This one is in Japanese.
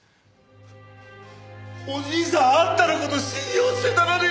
おじいさんあんたの事信用してたのに！